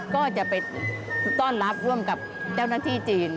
ก็จะไปต้อนรับร่วมกับเจ้าหน้าที่จีน